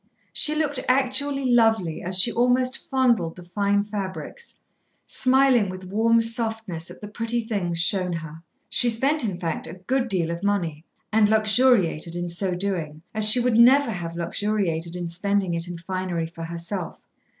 She looked actually lovely as she almost fondled the fine fabrics, smiling with warm softness at the pretty things shown her. She spent, in fact, good deal of money, and luxuriated in so doing as she could never have luxuriated in spending it in finery for herself.